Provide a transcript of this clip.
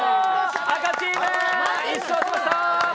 赤チーム、１勝しました。